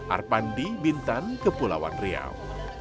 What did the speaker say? arpandi bintan kepulauan riau